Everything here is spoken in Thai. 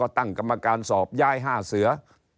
ก็ตั้งกรรมการสอบยายห้าเสือ